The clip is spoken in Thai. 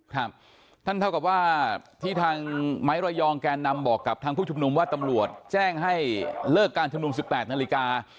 ครับท่านเท่ากับว่าที่ทางไม้ระยองแกนนำบอกกับทางผู้ชุมนุมว่าตำรวจแจ้งให้เลิกการชุมนุม๑๘นาฬิกา